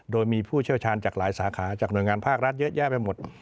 โดยมีผู้เชี่ยวชาญจากหลายสาขาจากหน่วยงานภาครัฐเยอะแยะไปหมด